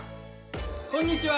こんにちは。